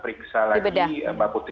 periksa lagi mbak putri